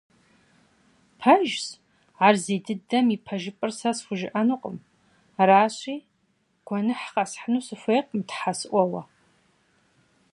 Пэжщ, ар зей дыдэм и пэжыпӀэр сэ схужыӀэнукъым, аращи, гуэныхь къэсхьыну сыхуейкъым, Тхьэ сӀуэуэ.